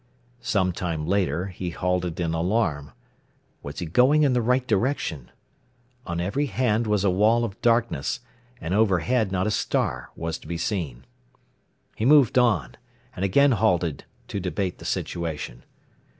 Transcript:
Some time later he halted in alarm. Was he going in the right direction? On every hand was a wall of darkness, and overhead not a star was to be seen. He moved on, and again halted to debate the situation.